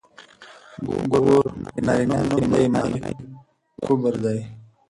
ګور نرينه نوم دی مانا يې کبر دی.